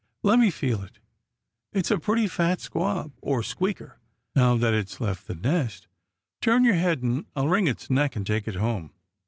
Let me feel it. It's a pretty fat squab, or squeaker, now that it's left the nest. Turn your head, and I'll wring its neck and take it home.